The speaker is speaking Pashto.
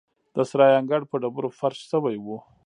د سرای انګړ په ډبرو فرش شوی و.